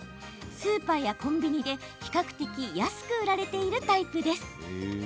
スーパーやコンビニで、比較的安く売られているタイプです。